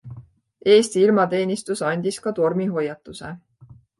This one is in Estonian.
Eesti ilmateenistus andis ka tormihoiatuse.